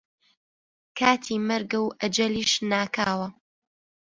کاتی مەرگە و ئەجەلیش ناکاوە